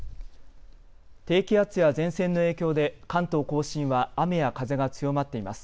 低気圧や前線の影響で関東甲信は雨や風が強まっています。